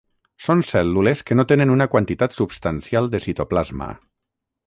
Són cèl·lules que no tenen una quantitat substancial de citoplasma.